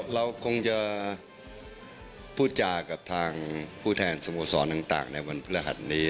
เราคงจะพูดจากับทางผู้แทนสโมสรต่างในวันพฤหัสนี้